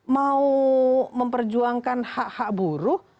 mau memperjuangkan hak hak buruh